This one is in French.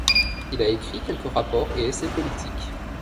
Il a écrit quelques rapports et essais politiques.